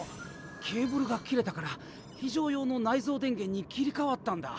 ケーブルが切れたから非常用の内蔵電源に切り替わったんだ。